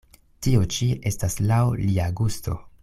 Tio ĉi estas laŭ lia gusto.